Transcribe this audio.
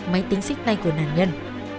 máy tính xích tay của nạn nhân